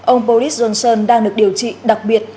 ông boris johnson đang được điều trị đặc biệt